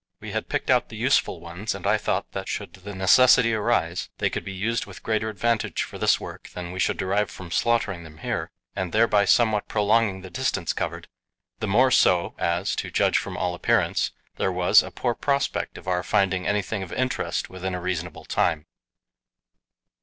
We had picked out the useful ones, and I thought that, should the necessity arise, they could be used with greater advantage for this work than we should derive from slaughtering them here, and thereby somewhat prolonging the distance covered; the more so as, to judge from all appearance, there was a poor prospect of our finding anything of interest within a reasonable time.